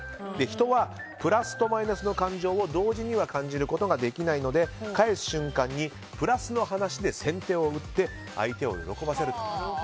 人は、プラスとマイナスの感情を同時には感じることができないので返す瞬間にプラスの話で先手を打って、相手を喜ばせると。